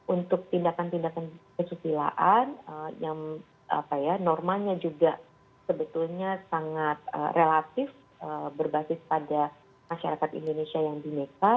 untuk tindakan tindakan kesusilaan yang normanya juga sebetulnya sangat relatif berbasis pada masyarakat indonesia yang di mekah